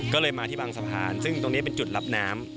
ก็เลยมาที่บางสะพานซึ่งตรงนี้เป็นจุดรับน้ำ